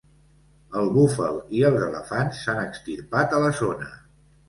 El búfal i els elefants s'han extirpat a la zona.